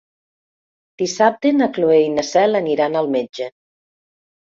Dissabte na Cloè i na Cel aniran al metge.